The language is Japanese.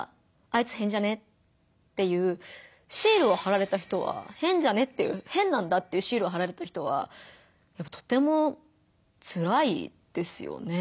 「あいつ変じゃね？」っていうシールをはられた人は「変じゃね？」っていう「変なんだ」っていうシールをはられた人はやっぱとてもつらいですよね。